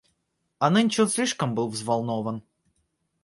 А нынче он слишком был взволнован.